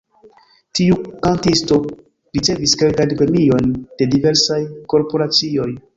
Tiu kantisto ricevis kelkajn premiojn de diversaj korporacioj.